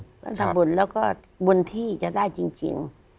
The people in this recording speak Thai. ทั้งทำบุญแล้วก็บนที่จะได้จริง